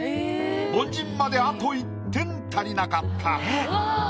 凡人まであと１点足りなかった。